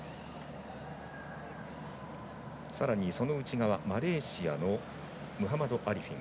その内側、マレーシアのムハマドアリフィン。